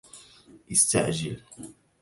استعجل!